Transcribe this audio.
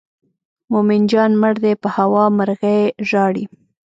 مومن جان مړ دی په هوا مرغۍ ژاړي.